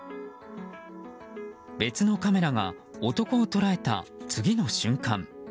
別のカメラが男を捉えた次の瞬間。